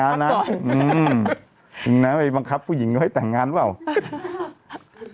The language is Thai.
จริงนะไปบังคับผู้หญิงให้แต่งงานเปล่า